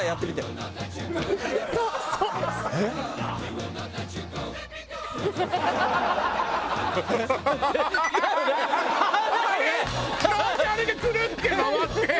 なんであれでクルッて回って。